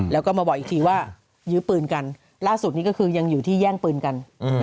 แล้วก็มาบอกอีกทีว่ายื้อปืนกันล่าสุดนี้ก็คือยังอยู่ที่แย่งปืนกัน